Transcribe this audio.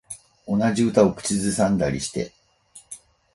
同じ歌を口ずさんでたりして